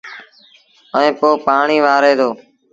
ائيٚݩ پو پآڻيٚ وآري دو